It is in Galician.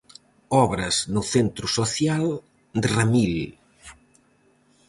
Obras no centro social de Ramil.